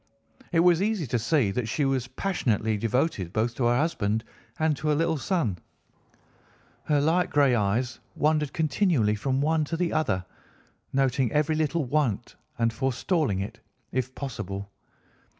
It was easy to see that she was passionately devoted both to her husband and to her little son. Her light grey eyes wandered continually from one to the other, noting every little want and forestalling it if possible.